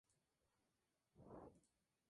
Comienza con cuatro gritos repetidos de "Wrong!